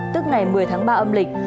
tức ngày một mươi tháng ba âm lịch